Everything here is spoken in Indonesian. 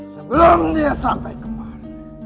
sebelum dia sampai kemari